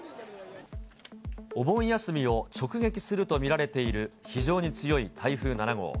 お盆休みを直撃すると見られている非常に強い台風７号。